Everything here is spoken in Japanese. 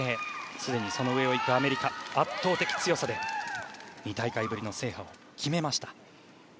すでに、その上を行くアメリカ圧倒的強さで２大会ぶりの制覇を決めました。